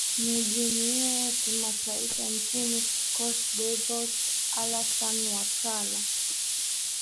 na jamuiya ya kimataifa nchini cote deviore alasan watara